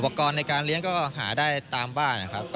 กรณ์ในการเลี้ยงก็หาได้ตามบ้านนะครับ